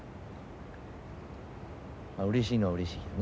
まあうれしいのはうれしいけどね。